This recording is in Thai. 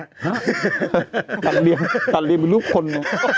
ฮะทันริมทันริมรูปคนมั้ย